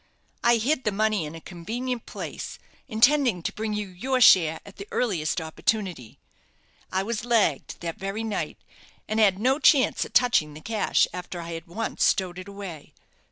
"I hid the money in a convenient place, intending to bring you your share at the earliest opportunity. I was lagged that very night, and had no chance of touching the cash after I had once stowed it away.